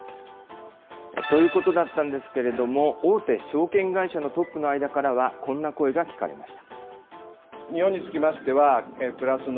ということだったんですけれども、大手証券会社のトップの間からは、こんな声が聞かれました。